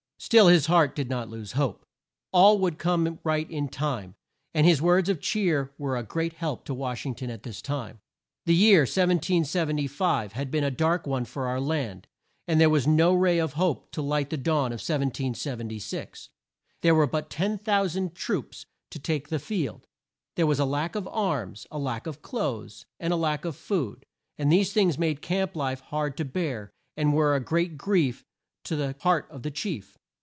Still his heart did not lose hope. All would come right in time; and his words of cheer were a great help to Wash ing ton at this time. The year 1775 had been a dark one for our land, and there was no ray of hope to light the dawn of 1776. There were but 10,000 troops to take the field. There was a lack of arms, a lack of clothes, and a lack of food, and these things made camp life hard to bear, and were a great grief to the heart of the chief.